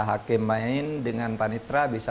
hakim main dengan panitra bisa